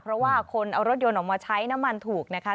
เพราะว่าคนเอารถยนต์ออกมาใช้น้ำมันถูกนะคะ